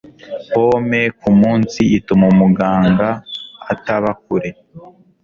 Pome kumunsi ituma umuganga ataba kure